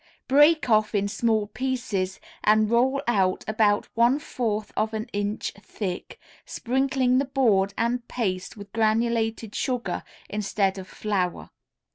Break off in small pieces and roll out about one fourth of an inch thick, sprinkling the board and paste with granulated sugar instead of flour.